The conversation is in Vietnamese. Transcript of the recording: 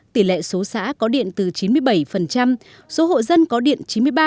tỷ lệ số xã có điện từ chín mươi bảy số hộ dân có điện chín mươi ba